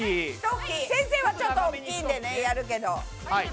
先生はちょっと大きいんでねやるけど。